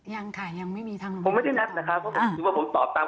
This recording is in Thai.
ยังแค่ยังไม่มีทางโรงพยาบาล